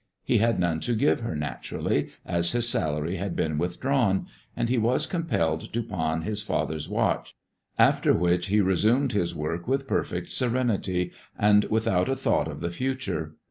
He had none to give her, naturally, as his salary had been withdrawn; and he was compelled to pawn his father's watch, after which he resumed his work with perfect serenity and without a thought of the future.